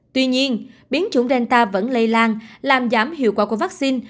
tuy nhiên biến chủng delta vẫn lây lan làm giảm hiệu quả của vaccine